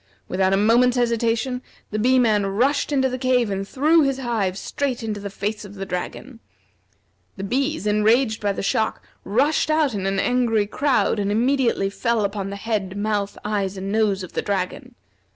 Without a moment's hesitation, the Bee man rushed into the cave and threw his hive straight into the face of the dragon. The bees, enraged by the shock, rushed out in an angry crowd and immediately fell upon the head, mouth, eyes, and nose of the dragon.